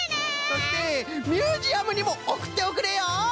そしてミュージアムにもおくっておくれよ！